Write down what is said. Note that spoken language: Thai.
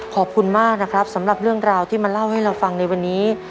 ขอบคุณมากนะครับสำหรับเรื่องราวที่มาเล่าให้เราฟังในวันนี้